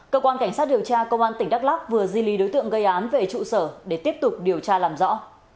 cơ quan cảnh sát điều tra công an tỉnh đắk lắc vừa di lý đối tượng gây án về trụ sở để tiếp tục điều tra làm rõ